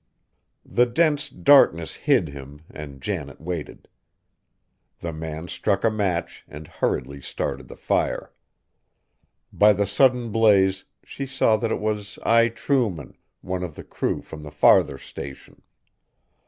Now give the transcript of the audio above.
The dense darkness hid him, and Janet waited. The man struck a match and hurriedly started the fire. By the sudden blaze she saw that it was Ai Trueman, one of the crew from the farther station.